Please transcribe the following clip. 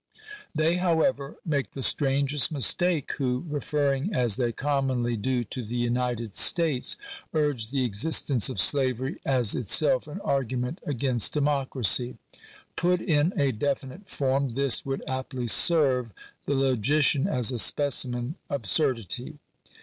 They, however, make the strangest mistake who, referring as they commonly do to the United States, urge the existence of slavery as itself an argument against democracy. Put in a definite form, this would aptly serve the logician as a specimen absurdity.